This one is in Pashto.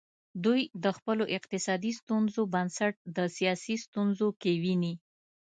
دوی د خپلو اقتصادي ستونزو بنسټ د سیاسي ستونزو کې ویني.